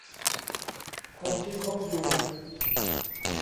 คนที่คบอยู่